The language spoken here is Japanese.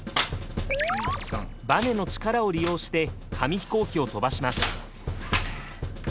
ばねの力を利用して紙飛行機を飛ばします。